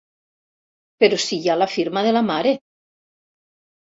Però si hi ha la firma de la mare!